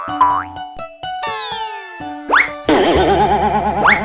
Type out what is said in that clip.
bukan hasil nyontek